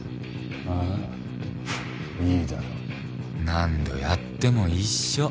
何度やっても一緒。